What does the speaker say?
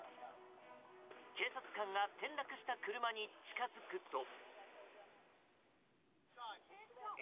警察官が転落した車に近づくと。